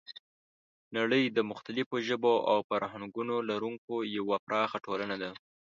نړۍ د مختلفو ژبو او فرهنګونو لرونکی یوه پراخه ټولنه ده.